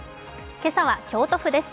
今朝は京都府です。